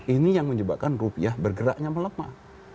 ini yang menyebabkan rupiah bergeraknya melemah